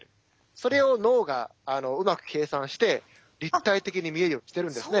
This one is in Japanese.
それを脳がうまく計算して立体的に見えるようにしてるんですね。